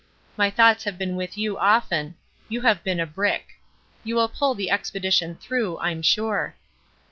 My thoughts have been with you often. You have been a brick. You will pull the expedition through, I'm sure.